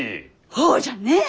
ほうじゃね！